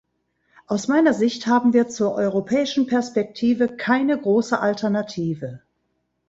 Aus meiner Sicht haben wir zur europäischen Perspektive keine große Alternative.